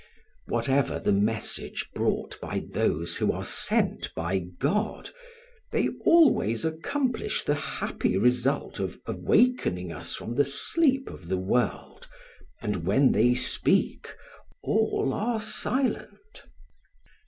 Whatever the message brought by those who are sent by God, they always accomplish the happy result of awakening us from the sleep of the world, and when they speak, all are silent.